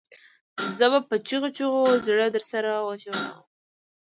زه به په چیغو چیغو زړه درسره وژړوم